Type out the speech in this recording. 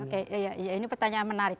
oke ini pertanyaan menarik